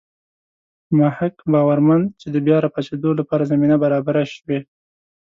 مح ق باورمن دی چې د بیا راپاڅېدو لپاره زمینه برابره شوې.